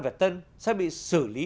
việt tân sẽ bị xử lý